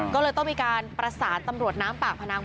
ก็เลยต้องมีการประสานตำรวจน้ำปากพนัง